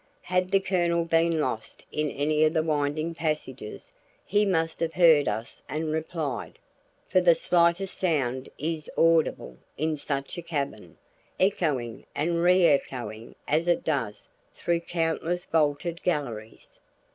Had the Colonel been lost in any of the winding passages he must have heard us and replied, for the slightest sound is audible in such a cavern, echoing and re echoing as it does through countless vaulted galleries.